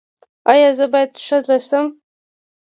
ایا زه باید ښځه شم؟